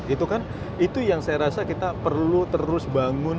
itu kan itu yang saya rasa kita perlu terus bangun